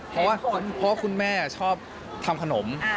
เพราะว่าคุณแม่ชอบทำขนม